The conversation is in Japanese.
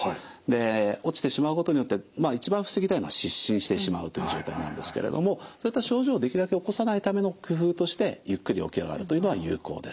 落ちてしまうことによって一番防ぎたいのは失神してしまうという状態なんですけれどもそういった症状をできるだけ起こさないための工夫としてゆっくり起き上がるというのは有効です。